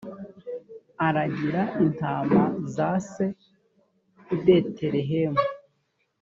aragira intama za se i betelehemu